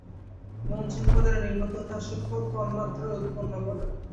মন যে উপাদানে নির্মিত, তাহা সূক্ষ্ম তন্মাত্রাও উৎপন্ন করে।